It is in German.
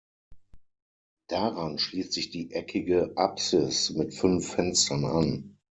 Daran schließt sich die eckige Apsis mit fünf Fenstern an.